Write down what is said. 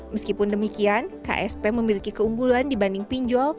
meskipun demikian ksp memiliki keunggulan dibanding pinjol